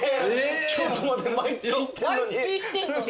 京都まで毎月行ってんのに？